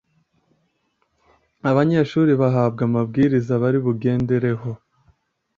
abanyeshuri bahabwa amabwiriza bari bugendereho